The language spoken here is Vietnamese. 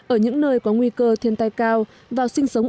ở những nơi có nguy cơ thiên tai cao